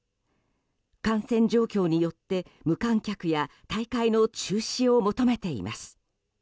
感染状況によって無観客や大会の中止を求めています。